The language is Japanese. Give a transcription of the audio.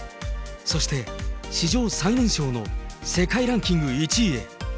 そして史上最年少の世界ランキング１位へ。